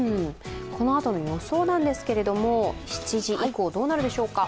このあとの予想なんですけれども７時以降、どうなるでしょうか。